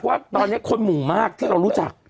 ว่าตอนนี้คนหมู่มากที่เรารู้จัก